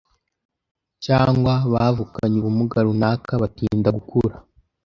cyangwa bavukanye ubumuga runaka batinda gukura.